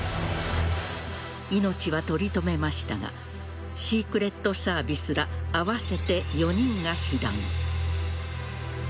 命は取り留めましたがシークレットサービスら合わせて４人が被弾。